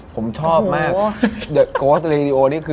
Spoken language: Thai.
ผมชอบมาก